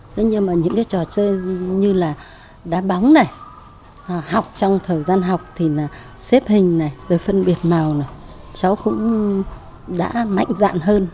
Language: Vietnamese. thế nhưng mà những cái trò chơi như là đá bóng này học trong thời gian học thì là xếp hình này rồi phân biệt màu này cháu cũng đã mạnh dạn hơn